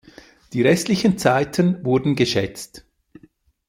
Die restlichen Zeiten wurden geschätzt.